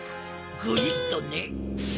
グイッとね。